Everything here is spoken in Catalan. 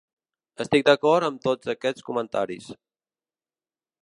Estic d’acord amb tots aquests comentaris.